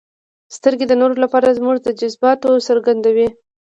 • سترګې د نورو لپاره زموږ د جذباتو څرګندوي.